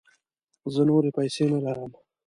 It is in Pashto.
زه نوری پیسې نه لرم